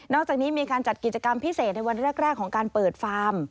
อกจากนี้มีการจัดกิจกรรมพิเศษในวันแรกของการเปิดฟาร์ม